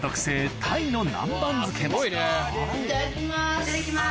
いただきます。